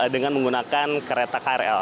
dengan menggunakan kereta krl